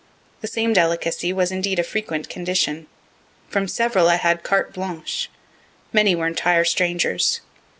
The same delicacy was indeed a frequent condition. From several I had carte blanche. Many were entire strangers.